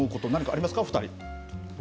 あります？